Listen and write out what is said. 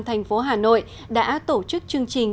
thành phố hà nội đã tổ chức chương trình